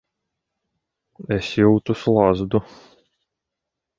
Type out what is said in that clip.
Es jūtu slazdu.